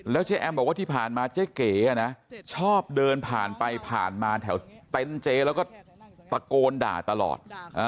เจ๊แอมบอกว่าที่ผ่านมาเจ๊เก๋นะชอบเดินผ่านไปผ่านมาแถวเต็นต์เจ๊แล้วก็ตะโกนด่าตลอด